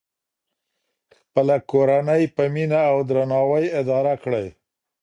خپله کورنۍ په مینه او درناوي اداره کړئ.